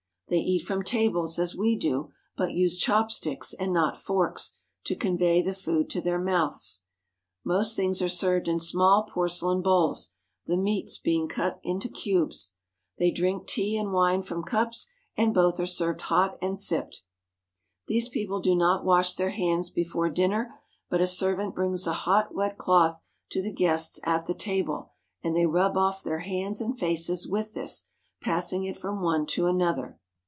They eat from tables as we do ; but use chopsticks, and not forks, to convey the food to their mouths: Most things are served in small porcelain bowls, the meats being cuts into cubes. They drink tea and wine from cups, and both are served hot and sipped. These people do not wash their hands before dinner, but a servant brings a hot, wet cloth to the guests at the table, and they rub off their hands and faces with this, passing it from one to another.